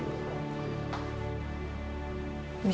aku akan bantu